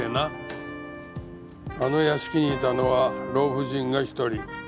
あの屋敷にいたのは老婦人が１人。